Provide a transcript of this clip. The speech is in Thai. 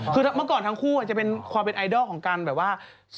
คือเมื่อก่อนทั้งคู่อาจจะเป็นความเป็นไอดอลของการแบบว่า